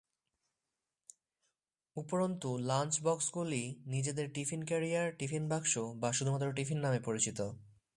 উপরন্তু, লাঞ্চ বক্সগুলি নিজেদের টিফিন ক্যারিয়ার, টিফিন বাক্স বা শুধুমাত্র টিফিন নামে পরিচিত।